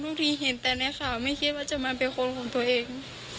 ทีเห็นแต่ในข่าวไม่คิดว่าจะมาเป็นคนของตัวเอง